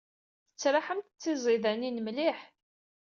Tettraḥemt d tiẓidanin mliḥ.